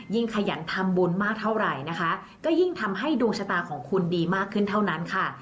ขยันทำบุญมากเท่าไหร่นะคะก็ยิ่งทำให้ดวงชะตาของคุณดีมากขึ้นเท่านั้นค่ะ